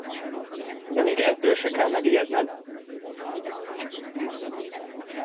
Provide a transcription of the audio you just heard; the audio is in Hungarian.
De még ettől se kell megijedned!